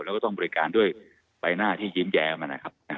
แล้วก็ต้องบริการด้วยใบหน้าที่ยิ้มแย้มนะครับ